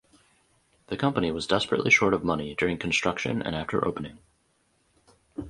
The company was desperately short of money during construction and after opening.